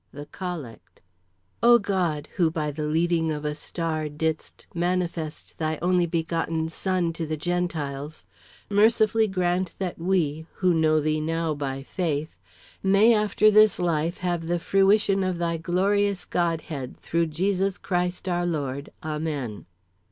_ THE COLLECT. O God, who by the leading of a star didst manifest thy only begotten Son to the Gentiles, Mercifully grant that we, who know thee now by faith, may after this life have the fruition of thy glorious Godhead through Jesus Christ our Lord. _Amen.